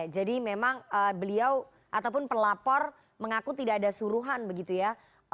jadi memang beliau ataupun pelapor mengaku tidak ada suruhan begitu ya